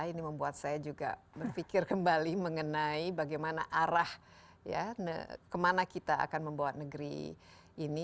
ini membuat saya juga berpikir kembali mengenai bagaimana arah ya kemana kita akan membawa negeri ini